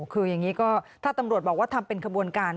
คืออย่างนี้ก็ถ้าตำรวจบอกว่าทำเป็นขบวนการ